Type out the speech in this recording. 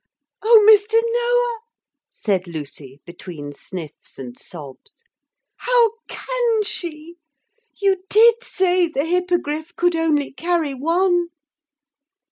'Oh, Mr. Noah,' said Lucy, between sniffs and sobs, 'how can she! You did say the Hippogriff could only carry one!'